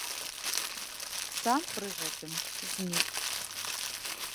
Сам пры гэтым знік.